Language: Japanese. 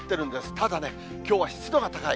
ただね、きょうは湿度が高い。